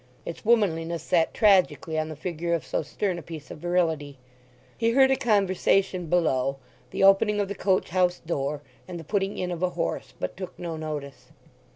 Its womanliness sat tragically on the figure of so stern a piece of virility. He heard a conversation below, the opening of the coach house door, and the putting in of a horse, but took no notice.